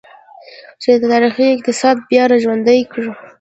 چین د تاریخي اقتصاد بیا راژوندی کړ.